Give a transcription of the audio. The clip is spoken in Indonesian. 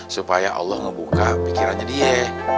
supaya allah ngebuka pikirannya dia